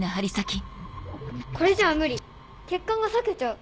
これじゃあ無理血管が裂けちゃう。